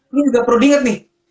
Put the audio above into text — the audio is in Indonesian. ini juga perlu diingat nih